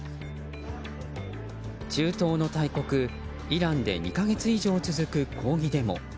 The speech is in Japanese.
中東の大国イランで２か月以上続く抗議デモ。